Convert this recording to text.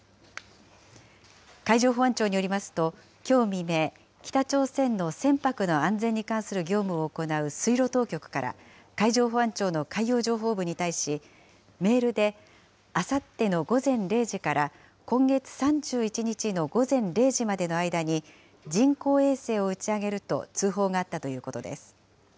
海上保安庁によりますと、きょう未明、北朝鮮の船舶の安全に関する業務を行う水路当局から、海上保安庁の海洋情報部に対し、メールで、あさっての午前０時から今月３１日の午前０時までの間に、人工衛星を打ち上げると通報があったということです。